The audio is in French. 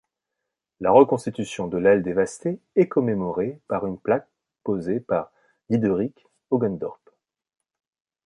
La reconstruction de l'aile dévastée est commémorée par une plaque posée par Diderik Hogendorp.